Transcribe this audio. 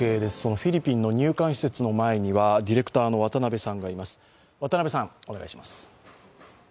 フィリピンの入管施設の前にはディレクターの渡部さんがいます。